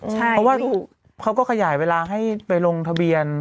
เพราะว่าเขาก็ขยายเวลาให้ไปลงทะเบียน